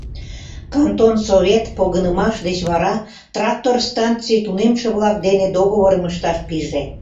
Кантон Совет погынымаш деч вара трактор станций тунемше-влак дене договорым ышташ пиже.